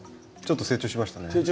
ちょっと成長しましたね。